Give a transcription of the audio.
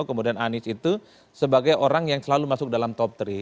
kemudian anies itu sebagai orang yang selalu masuk dalam top tiga